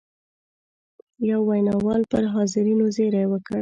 یوه ویناوال پر حاضرینو زېری وکړ.